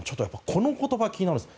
この言葉が気になるんです。